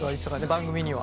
番組には。